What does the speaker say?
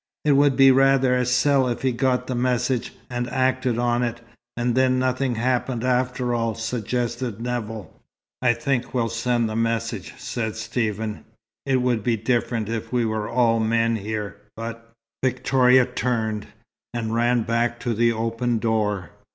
"It would be rather a sell if he got the message, and acted on it and then nothing happened after all," suggested Nevill. "I think we'll send the message," said Stephen. "It would be different if we were all men here, but " Victoria turned, and ran back to the open door.